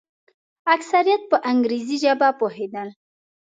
اکثریت په انګریزي ژبه پوهېدل.